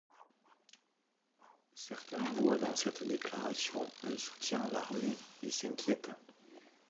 Certains voient dans cette déclaration un soutien à l'armée et s'inquiètent.